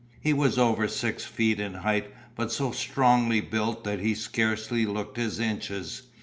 He was over six feet in height but so strongly built that he scarcely looked his inches.